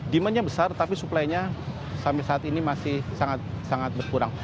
demandnya besar tapi suplainya sampai saat ini masih sangat berkurang